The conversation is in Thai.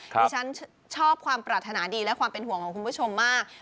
ดิฉันชอบความปรารถนาดีและความเป็นห่วงของคุณผู้ชมมาก